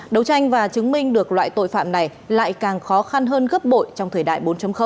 đấu tranh và chứng minh được loại tội phạm này lại càng khó khăn hơn gấp bội trong thời đại bốn